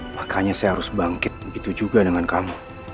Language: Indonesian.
makanya saya harus bangkit begitu juga dengan kamu